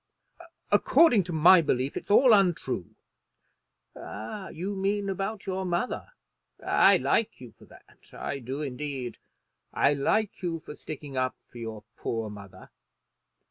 "According to my belief, it's all untrue." "You mean about your mother. I like you for that; I do, indeed. I like you for sticking up for your poor mother.